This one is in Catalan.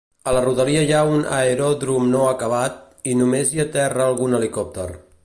A la rodalia hi ha un aeròdrom no acabat, i només hi aterra algun helicòpter.